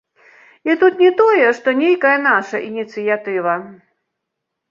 І тут не тое, што нейкая наша ініцыятыва.